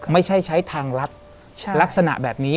ไม่ใช่ใช้ทางลัดลักษณะแบบนี้